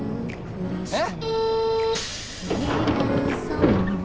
えっ！？